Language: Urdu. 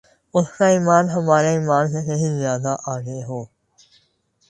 اس کا ایمان ہمارے ایمان سے کہین زیادہ آگے ہو